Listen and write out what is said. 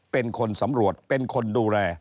เป็นคนสำรวจเป็นคนดูแล